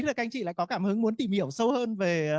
là các anh chị lại có cảm hứng muốn tìm hiểu sâu hơn về